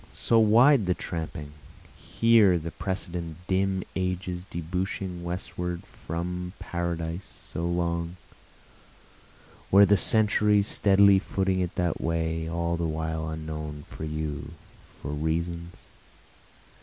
so wide the tramping? Were the precedent dim ages debouching westward from Paradise so long? Were the centuries steadily footing it that way, all the while unknown, for you, for reasons?